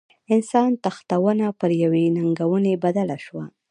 انسان تښتونه پر یوې ننګونې بدله شوه.